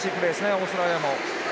オーストラリアも。